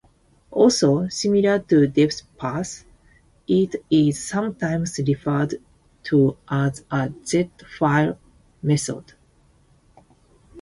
Also, similar to depth pass, it is sometimes referred to as the z-fail method.